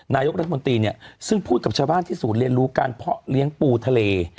นายกรัฐมนตรีเนี่ยซึ่งพูดกับชาวบ้านที่ศูนย์เรียนรู้การเพาะเลี้ยงปูทะเล